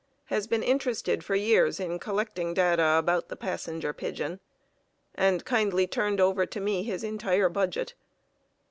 has been interested for years in collecting data about the Passenger Pigeon, and kindly turned over to me his entire budget.